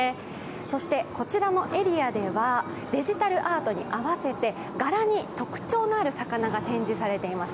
そして、こちらのエリアではデジタルアートに合わせて柄に特徴のある魚が展示されています。